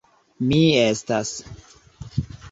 Mi estas.